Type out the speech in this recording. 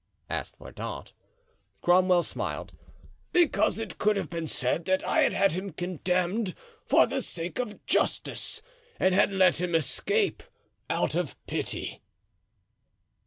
asked Mordaunt. Cromwell smiled. "Because it could have been said that I had had him condemned for the sake of justice and had let him escape out of pity."